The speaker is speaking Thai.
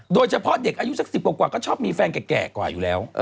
โดยเฉพาะเด็กอายุสัก๑๐กว่าก็ชอบมีแฟนแก่กว่าอยู่แล้ว